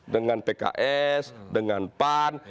dengan pks dengan pan